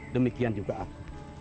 demikian juga aku